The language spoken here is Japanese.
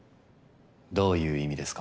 どういう意味ですか？